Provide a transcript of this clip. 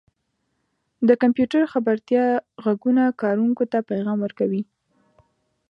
• د کمپیوټر خبرتیا ږغونه کاروونکو ته پیغام ورکوي.